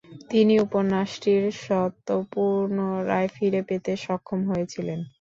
তিনি উপন্যাসটির স্বত্ব পুনরায় ফিরে পেতে সক্ষম হয়েছিলেন।